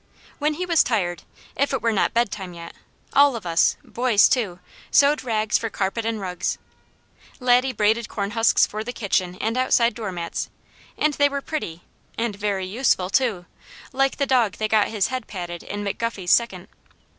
When he was tired, if it were not bedtime yet, all of us, boys too, sewed rags for carpet and rugs. Laddie braided corn husks for the kitchen and outside door mats, and they were pretty, and "very useful too," like the dog that got his head patted in McGuffey's Second.